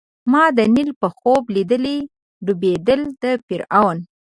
ما د نیل په خوب لیدلي ډوبېدل د فرعونانو